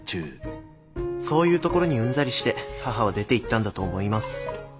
そういうところにうんざりして母は出ていったんだと思います。